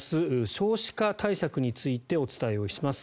少子化対策についてお伝えします。